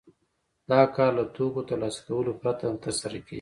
دا کار له توکو ترلاسه کولو پرته ترسره کېږي